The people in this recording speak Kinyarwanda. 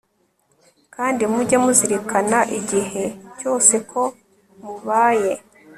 kandi mujye muzirikana igihe cyose ko mubaye